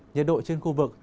nhiệt độ trên khu vực